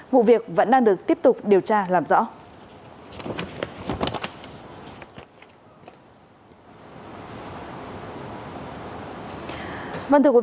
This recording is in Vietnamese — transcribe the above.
vụ việc vẫn đang được tiếp tục điều tra làm rõ